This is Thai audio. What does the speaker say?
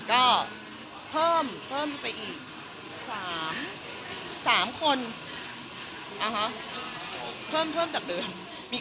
ก็เพิ่มไปอีก๓คนนะคะเพิ่มจากเดิม